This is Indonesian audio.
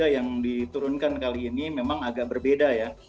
yang diturunkan kali ini memang agak berbeda ya